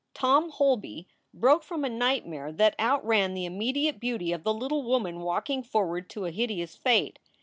Tom Holby broke from a nightmare that outran the im mediate beauty of the little woman walking forward to a hideous fate.